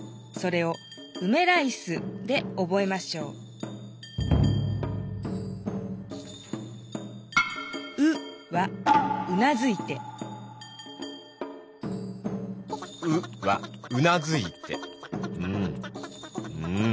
それを「うめラいス」でおぼえましょう「う」はうなずいてうんうん。